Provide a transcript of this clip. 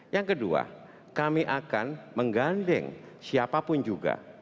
yang kedua kami akan menggandeng siapapun juga